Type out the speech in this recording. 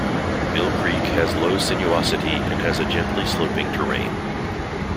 Mill creek has low sinuosity and has a gently sloping terrain.